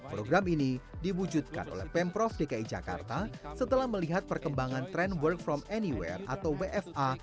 program ini diwujudkan oleh pemprov dki jakarta setelah melihat perkembangan tren work from anywhere atau wfa